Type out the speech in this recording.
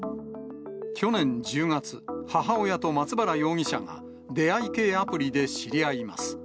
去年１０月、母親と松原容疑者が出会い系アプリで知り合います。